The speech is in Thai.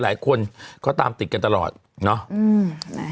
หลายคนก็ตามติดกันตลอดเนาะ